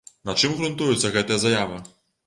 На чым грунтуецца гэтая заява?